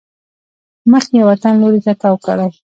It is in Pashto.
مخ یې وطن لوري ته تاو کړی.